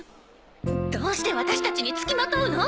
どうしてワタシたちにつきまとうの？